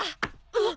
あっ！？